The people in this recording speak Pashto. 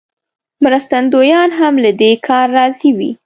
مرستندویان هم له دې کاره راضي وي.